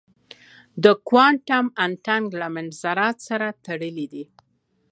د کوانټم انټنګلمنټ ذرات سره تړلي ساتي.